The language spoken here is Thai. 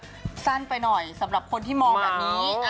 ก็สั้นไปหน่อยสำหรับคนที่มองแบบนี้